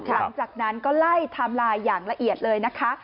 หลังจากนั้นก็ไล่ไทม์ไลน์อย่างละเอียดเลยนะคะ